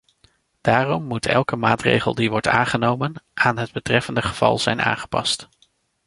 Daarom moet elke maatregel die wordt aangenomen, aan het betreffende geval zijn aangepast.